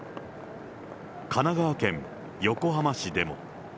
神奈川県横浜市でも。